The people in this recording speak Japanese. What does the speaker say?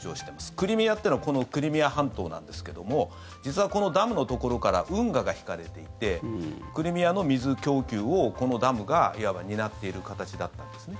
クリミアっていうのはこのクリミア半島なんですけども実はこのダムのところから運河が引かれていてクリミアの水供給をこのダムが、いわば担っている形だったんですね。